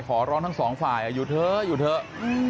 ขอร้องทั้งสองฝ่ายอยู่เถอะหยุดเถอะ